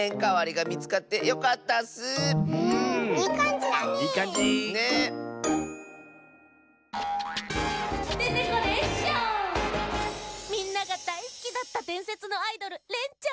みんながだいすきだったでんせつのアイドルレンちゃん。